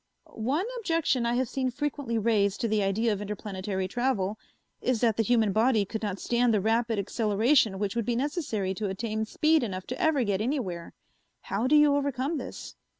"One objection I have seen frequently raised to the idea of interplanetary travel is that the human body could not stand the rapid acceleration which would be necessary to attain speed enough to ever get anywhere. How do you overcome this?"